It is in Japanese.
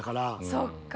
そっか！